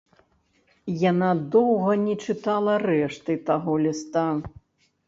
Яна доўга не чытала рэшты таго ліста.